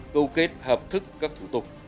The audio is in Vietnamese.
câu kết hợp thức các thủ tục